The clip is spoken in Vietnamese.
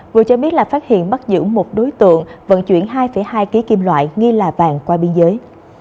vừa cho biết là phát hiện bắt giữ một đối tượng vận chuyển hai hai kg kim loại nghi là vàng qua biên giới